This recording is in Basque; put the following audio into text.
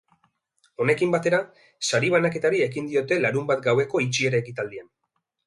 Honekin batera, sari banaketari ekin diote larunbat gaueko itxiera ekitaldian.